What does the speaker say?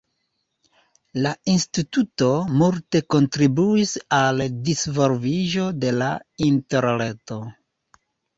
La instituto multe kontribuis al disvolviĝo de la Interreto.